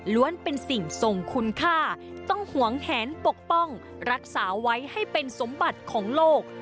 เป็นสิ่งทรงคุณค่าต้องหวงแหนปกป้องรักษาไว้ให้เป็นสมบัติของโลก